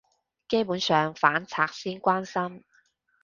基本上反賊先關心